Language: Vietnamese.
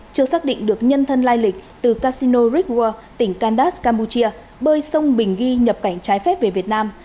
chưa xác định được nhân thân lai lịch từ casino rickworld tỉnh kandas campuchia bơi sông bình ghi nhập cảnh trái phép về việt nam